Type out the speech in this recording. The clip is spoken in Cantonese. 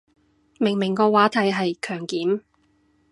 明明個話題係強檢